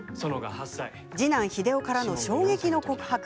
次男・日出男からの衝撃の告白。